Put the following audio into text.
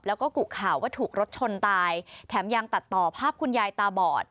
แล้วก็กุข่าวว่าถูกรถชนตายแถมยังตัดต่อภาพคุณยายตาบอด